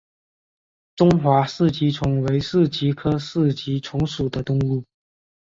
中华四极虫为四极科四极虫属的动物。